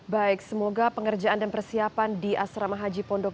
baik semoga pengerjaan dan persiapan di asrama haji pondok